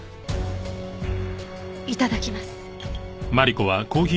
いただきます。